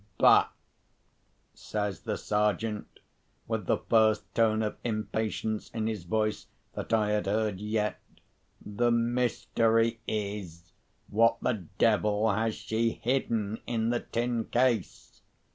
But," says the Sergeant, with the first tone of impatience in his voice that I had heard yet, "the mystery is—what the devil has she hidden in the tin case?"